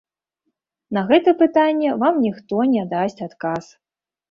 На гэтае пытанне вам ніхто не дасць адказ.